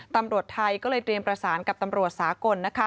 ตำรวจไทยก็เลยเตรียมประสานกับตำรวจสากล